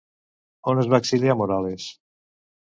On es va exiliar Morales?